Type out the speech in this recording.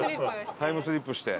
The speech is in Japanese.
タイムスリップして。